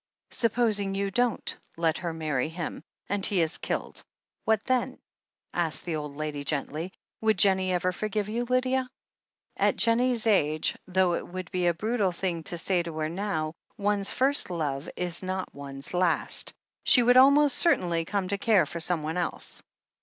"Supposing you don't let her marry him, and he is killed — ^what then ?" asked the old lady gently. "Would Jennie ever forgive you, Lydia?" "At Jennie's age, though it would be a brutal thing to say to her now, one's first love is not one's last She would almost certainly come to care for someone else."